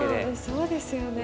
そうですよね。